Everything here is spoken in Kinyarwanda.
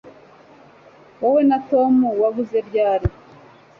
wowe na tom waguze ryari